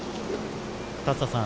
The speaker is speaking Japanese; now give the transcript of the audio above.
立田さん